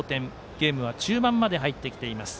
ゲームは中盤まで入ってきています。